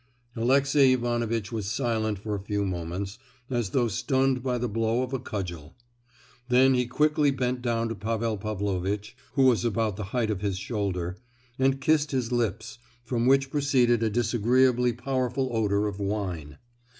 Alexey Ivanovitch was silent for a few moments, as though stunned by the blow of a cudgel. Then he quickly bent down to Pavel Pavlovitch (who was about the height of his shoulder), and kissed his lips, from which proceeded a disagreeably powerful odour of wine.